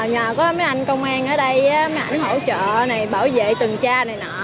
nhờ có mấy anh công an ở đây mấy ảnh hỗ trợ này bảo vệ tuần tra này nọ